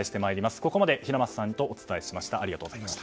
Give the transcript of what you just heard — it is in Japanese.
ここまで平松さんとお伝えしました。